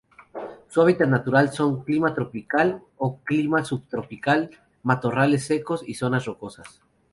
Su hábitat natural son: Clima tropical o Clima subtropical, matorrales secos y zonas rocosas.